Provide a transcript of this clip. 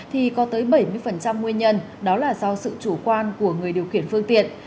thì có tới bảy mươi nguyên nhân đó là do sự chủ quan của người điều khiển phương tiện